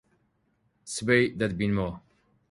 سبەی دەتبینینەوە.